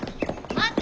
待って！